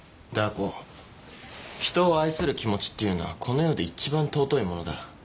ダー子人を愛する気持ちっていうのはこの世で一番貴いものだ。